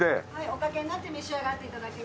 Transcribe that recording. おかけになって召し上がって頂けます。